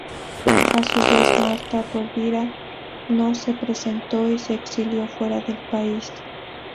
A su vez, Marta Rovira no se presentó y se exilió fuera del país.